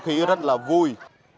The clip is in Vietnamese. khí rất là vui